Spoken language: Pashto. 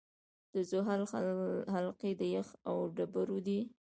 د زحل حلقې د یخ او ډبرو دي.